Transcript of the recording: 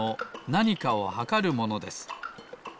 なにかをはかるものです。